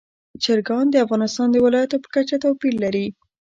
چرګان د افغانستان د ولایاتو په کچه توپیر لري.